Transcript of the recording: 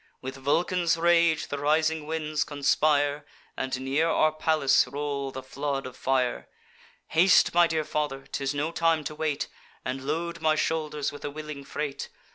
With Vulcan's rage the rising winds conspire, And near our palace roll the flood of fire. 'Haste, my dear father, ('tis no time to wait,) And load my shoulders with a willing freight.